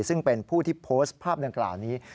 ซึ่งเป็นผู้ที่โพสต์ภาพดังกล่าวนี้